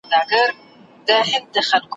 نګهبان مي د ناموس دی زما د خور پت په ساتلی ,